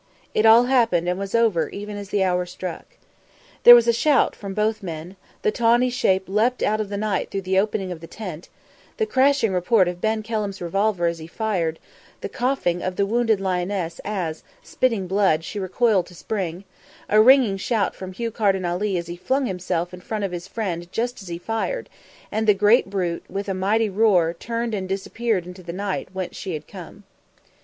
It all happened and was over even as the hour struck. There was a shout from both men as the tawny shape leapt out of the night through the opening of the tent; the crashing report of Ben Kelham's revolver as he fired; the coughing of the wounded lioness as, spitting blood, she recoiled to spring; a ringing shout from Hugh Carden Ali as he flung himself in front of his friend just as he fired, and the great brute, with a mighty roar, turned and disappeared into the night whence she had come.